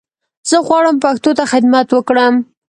زه غواړم پښتو ته خدمت وکړم